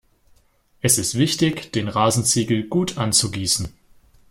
Es ist wichtig, den Rasenziegel gut anzugießen.